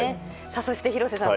そして、廣瀬さん